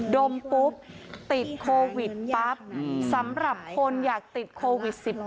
ดมปุ๊บติดโควิดปั๊บสำหรับคนอยากติดโควิด๑๙